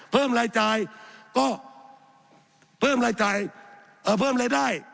เพิ่มรายจ่ายก็เพิ่มรายจ่ายเพิ่มรายได้